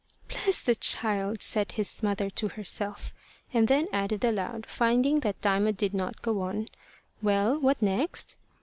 "Bless the child!" said his mother to herself; and then added aloud, finding that Diamond did not go on, "Well, what next?"